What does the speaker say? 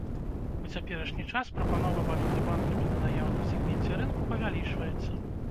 У цяперашні час прапанова валюты банкамі на наяўным сегменце рынку павялічваецца.